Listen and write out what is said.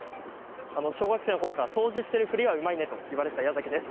小学生のころから掃除をしているふりはうまいねと言われていた矢崎です。